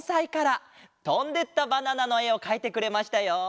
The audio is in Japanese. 「とんでったバナナ」のえをかいてくれましたよ！